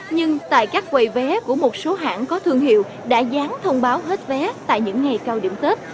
nhưng tại các quầy vé của một số hãng có thương hiệu đã dán thông báo hết vé tại những ngày cao điểm tết